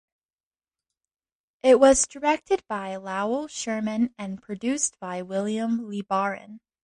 It was directed by Lowell Sherman and produced by William LeBaron.